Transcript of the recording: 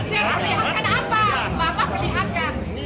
bapak lihat kan apa bapak lihat kan